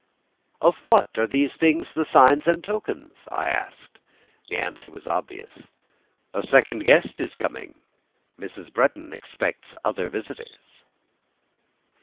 "Of what are these things the signs and tokens?" I asked. The answer was obvious. "A second guest is coming: Mrs. Bretton expects other visitors."